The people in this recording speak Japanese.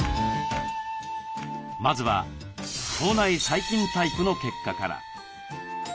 まずは腸内細菌タイプの結果から。